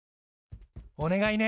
お願いね。